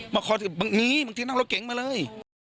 มาขอสิ้งนี่บางทีนั่งเราเก่งมาเลย